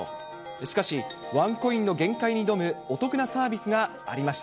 しかし、ワンコインの限界に挑むお得なサービスがありました。